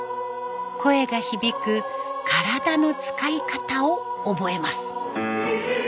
声が響く体の使い方を覚えます。